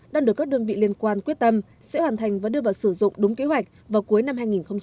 đang được các đơn vị liên quan quyết tâm sẽ hoàn thành và đưa vào sử dụng đúng kế hoạch vào cuối năm hai nghìn hai mươi